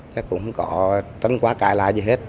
chắc cũng không có tính quá cải lại gì hết